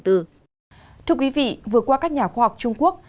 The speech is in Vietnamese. thưa quý vị vừa qua các nhà khoa học trung quốc